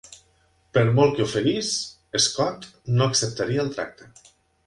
Per molt que oferís, Scott no acceptaria el tracte.